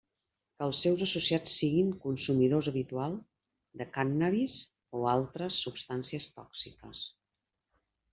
Que els seus associats siguin consumidors habitual de cànnabis o altres substàncies tòxiques.